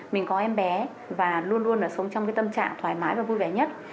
mình có em bé và luôn luôn ở sống trong tâm trạng thoải mái và vui vẻ nhất